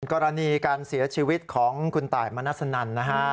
กรณีการเสียชีวิตของคุณตายมนัสนันนะฮะ